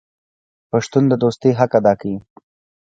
پښتون د دوستۍ حق ادا کوي.